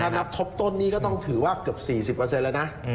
ถ้านับทบต้นนี้ก็ต้องถือว่าเกือบ๔๐แล้วนะ